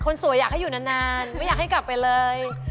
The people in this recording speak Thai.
คนสวยอยากให้อยู่นานไม่อยากให้กลับไปเลย